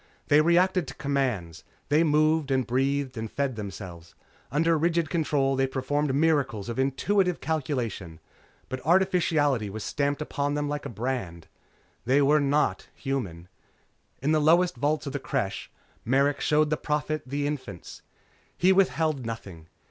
They reacted to commands. They moved and breathed and fed themselves. Under rigid control they performed miracles of intuitive calculation. But artificiality was stamped upon them like a brand. They were not human. In the lowest vaults of the Creche, Merrick showed the Prophet the infants. He withheld nothing.